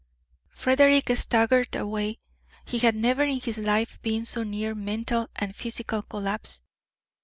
Frederick staggered away. He had never in his life been so near mental and physical collapse.